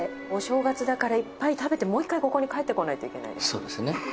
お正月だからいっぱい食べてもう一回ここに帰ってこないといけないですね。